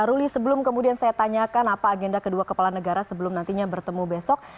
ruli sebelum kemudian saya tanyakan apa agenda kedua kepala negara sebelum nantinya bertemu besok